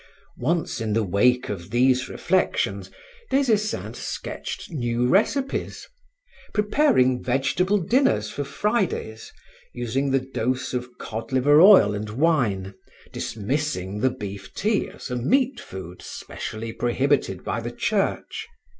Once in the wake of these reflections, Des Esseintes sketched new recipes, preparing vegetable dinners for Fridays, using the dose of cod liver oil and wine, dismissing the beef tea as a meat food specially prohibited by the Church.